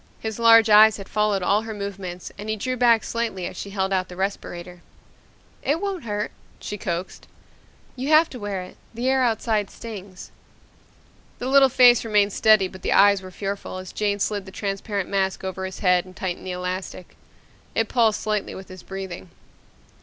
His large eyes had followed all her movements and he drew back slightly as she held out the respirator. "It won't hurt," she coaxed. "You have to wear it. The air outside stings." The little face remained steady but the eyes were fearful as Jane slid the transparent mask over his head and tightened the elastic. It pulsed slightly with his breathing.